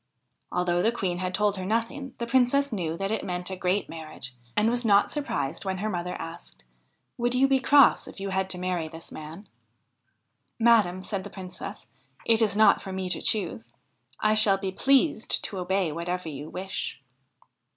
Although the Queen had told her nothing, the Princess knew that it meant a great marriage, and was not surprised when her mother asked :' Would you be cross if you had to marry this man ?'' Madam,' said the Princess, ' it is not for me to choose ; I shall be pleased to obey whatever you wish.'